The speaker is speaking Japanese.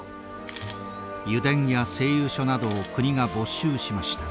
油田や製油所などを国が没収しました。